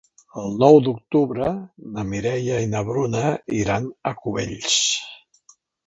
El nou d'octubre na Mireia i na Bruna iran a Cubells.